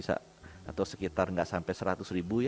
atau sekitar nggak sampai seratus ribu